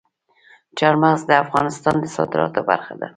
چار مغز د افغانستان د صادراتو برخه ده.